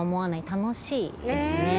楽しいですね。